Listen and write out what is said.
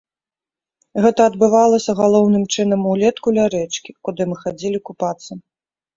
Гэта адбывалася галоўным чынам улетку ля рэчкі, куды мы хадзілі купацца.